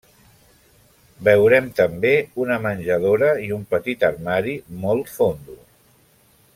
Veurem també una menjadora i un petit armari, molt fondo.